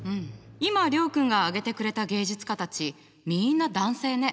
今諒君が挙げてくれた芸術家たちみんな男性ね。